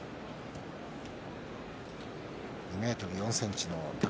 ２ｍ４ｃｍの宝